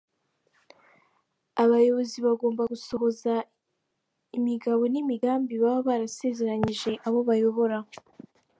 Abayobozi bagomba gusohoza imigabo n'imigambi baba barasezeranyije abo bayobora.